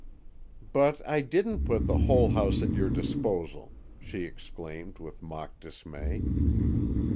"But I didn't put the whole house at your disposal!" she exclaimed with mock dismay.